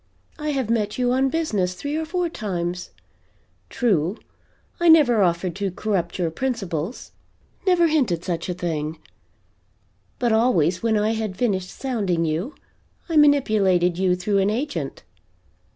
I have met you on business three or four times; true, I never offered to corrupt your principles never hinted such a thing; but always when I had finished sounding you, I manipulated you through an agent.